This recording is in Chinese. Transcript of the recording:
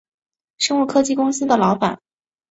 生物科技公司的老板